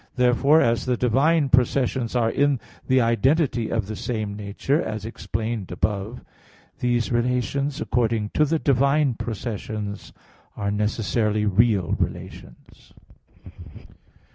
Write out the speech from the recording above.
Therefore as the divine processions are in the identity of the same nature, as above explained (Q. 27, AA. 2, 4), these relations, according to the divine processions, are necessarily real relations.